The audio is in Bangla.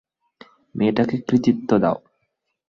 মেয়েটাকে কৃতিত্ব দাও।